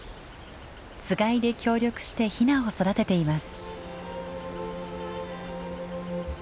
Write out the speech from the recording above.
つがいで協力してヒナを育てています。